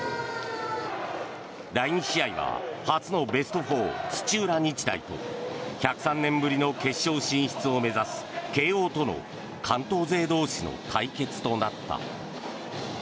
第２試合は初のベスト４、土浦日大と１０３年ぶりの決勝進出を目指す慶応との関東勢同士の対決となった。